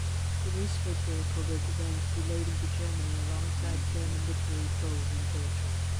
The newspaper covered events relating to Germany alongside German literary prose and poetry.